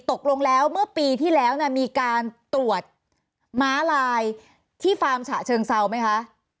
ตกลงแล้วเมื่อปีที่แล้วมีการตรวจม้าลายที่ฟาร์มฉะเชิงเซาไหมคะ